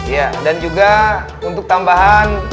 ya dan juga untuk tambahan